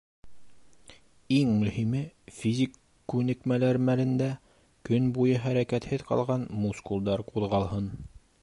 Иң мөһиме — физик күнекмәләр мәлендә көн буйы хәрәкәтһеҙ ҡалған мускулдар ҡуҙғалһын.